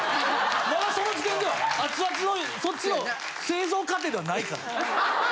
まだその時点では熱々のそっちを製造過程ではないから。